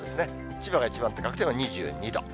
千葉が一番高くても２２度。